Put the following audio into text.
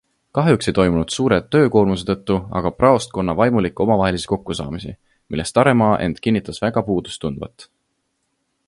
Kahjuks ei toimunud suure töökoormuse tõttu aga praostkonna vaimulike omavahelisi kokkusaamisi, millest Taremaa end kinnitas väga puudust tundvat.